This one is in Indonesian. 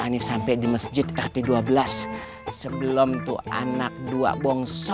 ini sampai di masjid rt dua belas sebelum tuh anak dua bongsor itu sampai